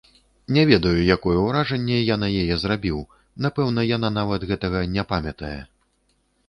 Не ведаю, якое ўражанне я на яе зрабіў, напэўна, яна нават гэтага не памятае.